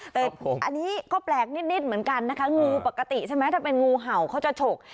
แต่อันนี้ก็แปลกนิดเหมือนกันนะคะงูปกติใช่ไหมถ้าเป็นงูเห่าเขาจะฉก